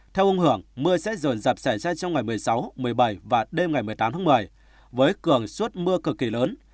theo ông hưởng mưa sẽ rồn rập xảy ra trong ngày một mươi sáu một mươi bảy và đêm ngày một mươi tám tháng một mươi với cường suất mưa cực kỳ lớn